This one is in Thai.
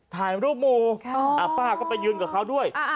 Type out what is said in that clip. ถ่ายรูปหมู่ป้าก็ไปยืนกับเขาด้วย